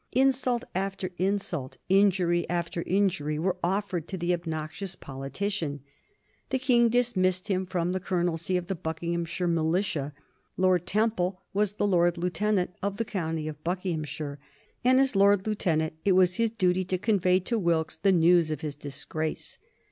Insult after insult, injury after injury, were offered to the obnoxious politician. The King dismissed him from the colonelcy of the Buckinghamshire Militia. Lord Temple was the Lord Lieutenant of the county of Buckinghamshire, and as Lord Lieutenant it was his duty to convey to Wilkes the news of his disgrace.